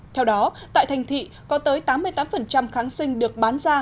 theo đó tại thành thị có tới tám mươi tám kháng sinh được bán ra